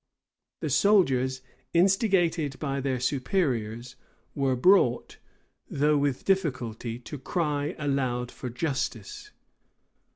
The soldiers, instigated by their superiors, were brought, though with difficulty, to cry aloud for justice.